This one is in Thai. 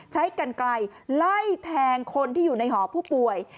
ใช้กันไกลไล่แทงคนที่อยู่ในหอผู้ป่วย